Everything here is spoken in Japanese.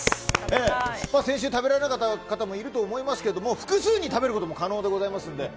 先週、食べられなかった方もいると思いますけれども複数人食べることも可能ですので。